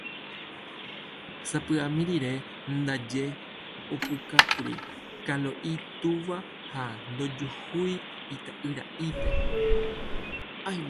Sapy'ami rire ndaje opu'ãkuri Kalo'i túva ha ndojuhúi ita'yra'ípe.